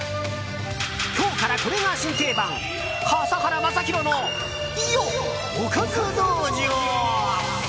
今日からこれが新定番笠原将弘のおかず道場。